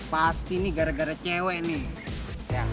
pasti ini gara gara cewek nih